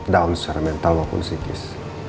down secara mental maupun psikis